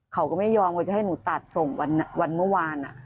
เขาก็ไม่ยอมว่าจะให้หนูตัดส่งวันเมื่อวาน